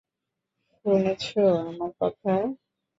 শুনেছ আমার কথা?